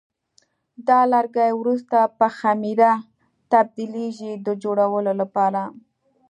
دا لرګي وروسته په خمېره تبدیلېږي د جوړولو لپاره.